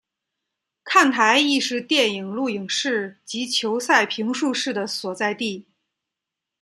看台亦是电视录影室及球赛评述室的所在地。